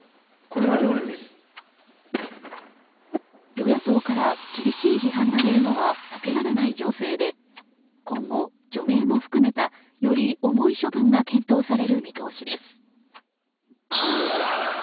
与野党から厳しい批判が出るのは避けられない情勢で今後、除名も含めたより重い処分が検討される見通しです。